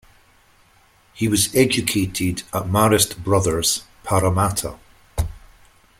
He was educated at Marist Brothers, Parramatta.